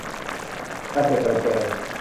กระเจอะกระเจิง